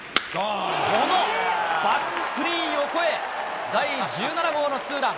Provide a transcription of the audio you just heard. このバックスクリーン横へ、第１７号のツーラン。